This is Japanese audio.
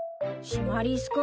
シマリス君。